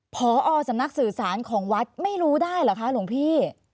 พอสำนักสื่อสารของวัดไม่รู้ได้เหรอคะหลวงพี่